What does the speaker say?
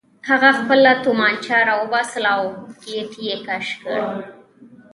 هغه خپله توپانچه راوباسله او ګېټ یې کش کړ